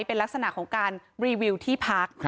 เป็นลักษณะของการรีวิวที่พัก